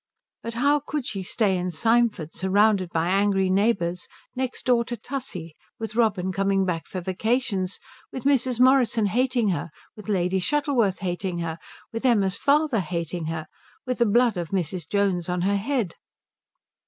But how could she stay in Symford, surrounded by angry neighbours, next door to Tussie, with Robin coming back for vacations, with Mrs. Morrison hating her, with Lady Shuttleworth hating her, with Emma's father hating her, with the blood of Mrs. Jones on her head?